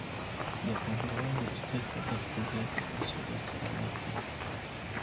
د پانګوال وروستی هدف د زیاتو پیسو لاسته راوړل دي